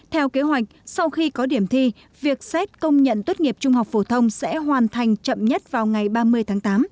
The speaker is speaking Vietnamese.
theo kế hoạch sau khi có điểm thi việc xét công nhận tốt nghiệp trung học phổ thông sẽ hoàn thành chậm nhất vào ngày ba mươi tháng tám